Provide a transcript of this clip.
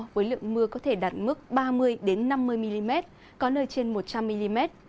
với lượng mưa có thể đạt mức ba mươi năm mươi mm có nơi trên một trăm linh mm